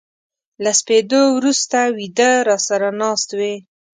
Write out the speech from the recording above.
له سپېدو ورو سته و يده را سره ناست وې